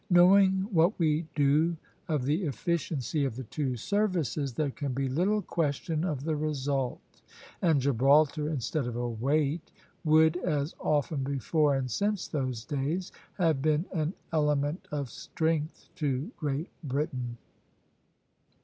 Knowing what we do of the efficiency of the two services, there can be little question of the result; and Gibraltar, instead of a weight, would, as often before and since those days, have been an element of strength to Great Britain.